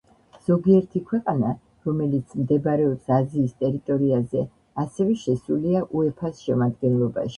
ზოგიერთი ქვეყანა, რომელიც მდებარეობს აზიის ტერიტორიაზე, ასევე შესულია უეფას შემადგენლობაში.